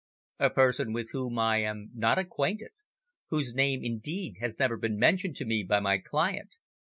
"A person with whom I am not acquainted; whose name, indeed, has never been mentioned to me by my client.